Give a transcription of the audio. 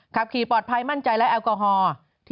ขับขี่ปลอดภัยมั่นใจและแอลกอฮอล์